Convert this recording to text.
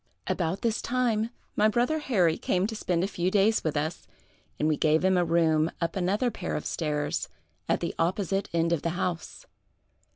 "About this time, my brother Harry came to spend a few days with us, and we gave him a room up another pair of stairs, at the opposite end of the house.